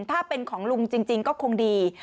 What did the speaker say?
ถ้าเป็นของลุงจริงก็คงดี